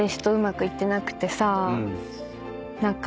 何か。